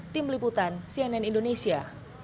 tim liputan cnn indonesia